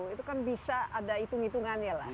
itu kan bisa ada hitung hitungannya lah